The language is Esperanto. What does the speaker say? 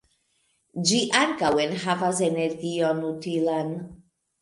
Ĝi ankaŭ enhavas energion utilan.